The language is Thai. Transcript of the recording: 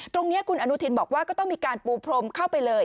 ตรงนี้คุณอนุทินบอกว่าก็ต้องมีการปูพรมเข้าไปเลย